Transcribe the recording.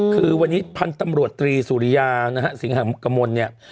คือวันนี้พันธุ์ตำรวจตรีสุริยานะฮะสิงหากมลเนี่ย